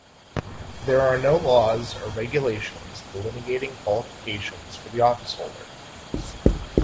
There are no laws or regulations delineating qualifications for the office holder.